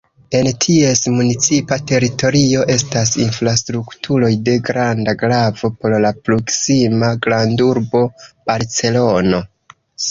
En ties municipa teritorio estas infrastrukturoj de granda gravo por la proksima grandurbo Barcelono.